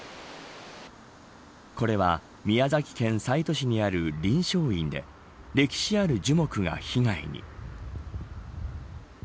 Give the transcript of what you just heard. これは、宮崎県西都市にある麟祥院で歴史ある樹木が被害に。